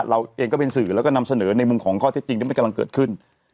เราเองก็เป็นสื่อแล้วก็นำเสนอในมุมของข้อเท็จจริงที่มันกำลังเกิดขึ้น